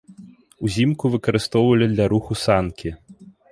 Узімку выкарыстоўвалі для руху санкі.